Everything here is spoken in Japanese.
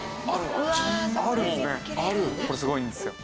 これすごいんですよ。